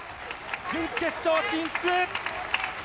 準決勝進出！